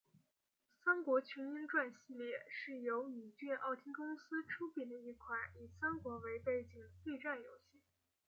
三国群英传系列是由宇峻奥汀公司出品的一款以三国为背景的对战游戏。